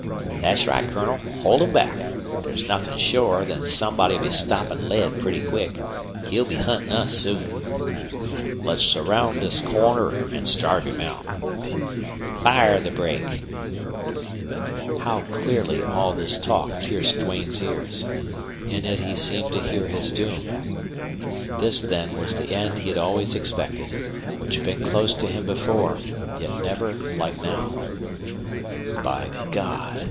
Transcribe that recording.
"Thet's right, Colonel. Hold 'em back. There's nothin' shorer than somebody'll be stoppin' lead pretty quick. He'll be huntin' us soon!" "Let's surround this corner an' starve him out." "Fire the brake." How clearly all this talk pierced Duane's ears! In it he seemed to hear his doom. This, then, was the end he had always expected, which had been close to him before, yet never like now. "By God!"